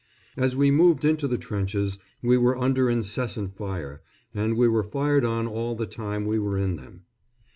As we moved into the trenches we were under incessant fire, and we were fired on all the time we were in them.